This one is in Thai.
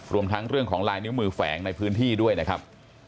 รวมทั้งเรื่องของลายนิ้วมือแฝงในพื้นที่ด้วยนะครับ